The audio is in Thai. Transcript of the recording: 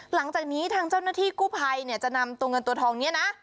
หลังจากนี้ทางเจ้าหน้าที่กู้ภัยเนี่ยจะนำตัวเงินตัวทองนี้นะ